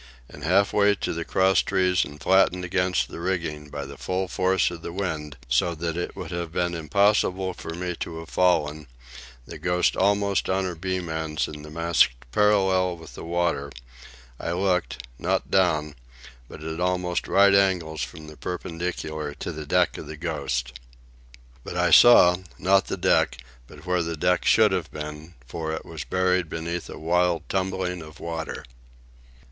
And, halfway to the crosstrees and flattened against the rigging by the full force of the wind so that it would have been impossible for me to have fallen, the Ghost almost on her beam ends and the masts parallel with the water, I looked, not down, but at almost right angles from the perpendicular, to the deck of the Ghost. But I saw, not the deck, but where the deck should have been, for it was buried beneath a wild tumbling of water.